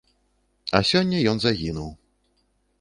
А сёння ён загінуў.